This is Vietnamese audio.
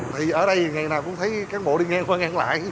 thì ở đây ngày nào cũng thấy cán bộ đi ngang qua ngang lại